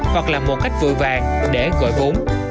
hoặc là một cách vội vàng để gọi bốn